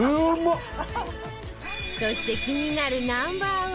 そして気になる Ｎｏ．１